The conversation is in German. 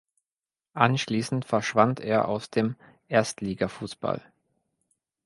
Anschließend verschwand er aus dem Erstligafußball.